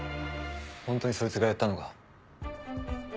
ホントにそいつがやったのか？